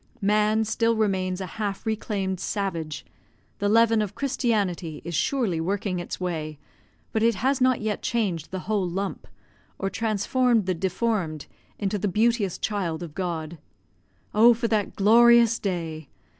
Man still remains a half reclaimed savage; the leaven of Christianity is surely working its way, but it has not yet changed the whole lump, or transformed the deformed into the beauteous child of God. Oh, for that glorious day!